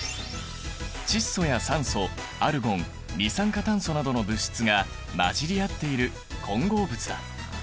窒素や酸素アルゴン二酸化炭素などの物質が混じり合っている混合物だ。